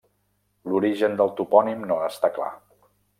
L'origen del topònim no està clar.